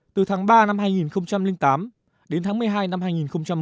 từ tháng ba năm hai nghìn tám đến tháng một mươi hai năm hai nghìn một mươi chín